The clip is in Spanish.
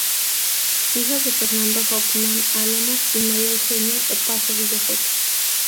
Hija de Fernando Hoffmann Álamos y María Eugenia Opazo Villaseca.